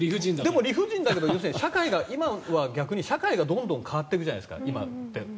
でも理不尽だけど今は逆に社会がどんどん変わっていくじゃないですか。